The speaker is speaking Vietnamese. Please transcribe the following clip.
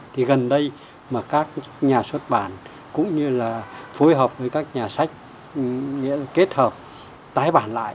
thì gần đây các nhà xuất bản cũng như phối hợp với các nhà sách kết hợp tái bản lại